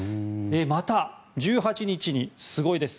また１８日に、すごいです。